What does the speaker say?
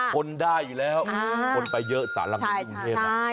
คนได้อยู่แล้วคนไปเยอะสารกรุงเทพ